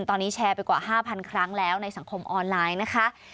ตอนนี้แชร์ไปกว่า๕๐๐ครั้งแล้วในสังคมออนไลน์นะคะ